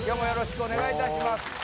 よろしくお願いします。